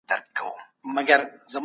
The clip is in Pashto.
خپل محدودیتونه په فرصتونو بدل کړئ.